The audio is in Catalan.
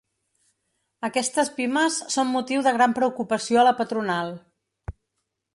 Aquestes pimes són motiu de gran preocupació a la patronal.